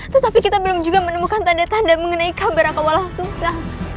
tetapi kita belum juga menemukan tanda tanda mengenai kabar raga walau sungsa